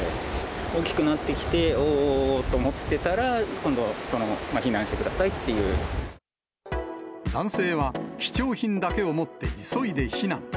大きくなってきて、おーおーおーと思ってたら、今度はその、避難してくださいっ男性は、貴重品だけを持って急いで避難。